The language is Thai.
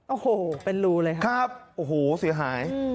โอ้โหเป็นรูเลยครับโอ้โหเสียหาย